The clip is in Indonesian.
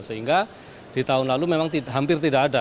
sehingga di tahun lalu memang hampir tidak ada